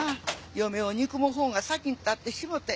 嫁を憎むほうが先にたってしもうて。